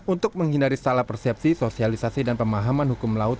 untuk menghindari salah persepsi sosialisasi dan pemahaman hukum laut